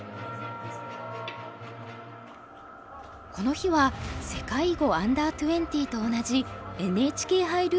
この日は世界囲碁Ｕ−２０と同じＮＨＫ杯ルールで練習対局。